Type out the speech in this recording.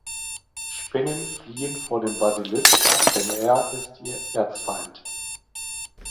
Spinnen fliehen vor dem Basilisk, denn er ist ihr Erzfeind.